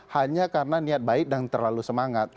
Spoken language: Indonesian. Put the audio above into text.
hanya karena niat baik dan terlalu semangat